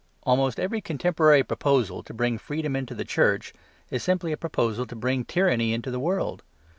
Almost every contemporary proposal to bring freedom into the church is simply a proposal to bring tyranny into the world.